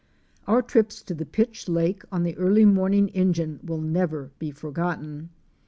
Our trips to the pitch lake on the early morning engine will never be forgotten.